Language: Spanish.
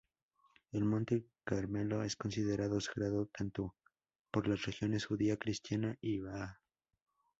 El Monte Carmelo es considerado Sagrado tanto por las religiones judía, cristiana y bahá'í.